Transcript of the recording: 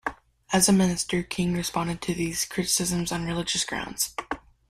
As a minister, King responded to these criticisms on religious grounds.